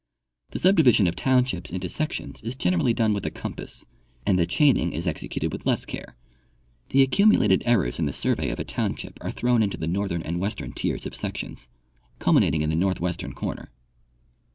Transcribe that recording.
The subdivision of townshij^s into sections is generally done with a compass, and the chaining is executed with less care. The accumulated errors in the survey of a township are thrown into the northern and western tiers of sections, cul minating in the northwestern corner.